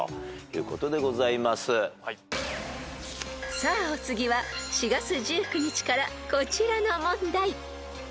［さあお次は４月１９日からこちらの問題］